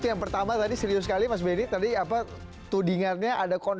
jangan lupa untuk berlangganan